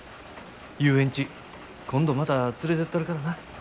遊園地今度また連れてったるからな。